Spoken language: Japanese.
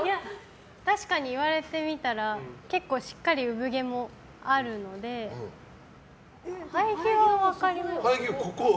確かに言われてみたらしっかり産毛もあるので生え際は分かります。